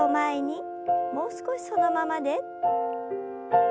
もう少しそのままで。